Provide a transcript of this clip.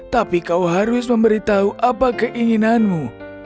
tapi kau harus memberitahu apa keinginanmu